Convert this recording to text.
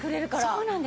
そうなんです。